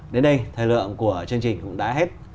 đến đây thời lượng của chương trình cũng đã hết